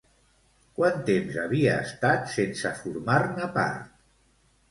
Quant temps havia estat sense formar-ne part?